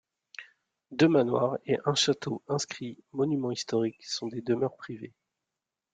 Deux manoirs et un château, inscrit monument historique, sont des demeures privées.